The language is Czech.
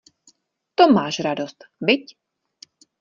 To máš radost, viď?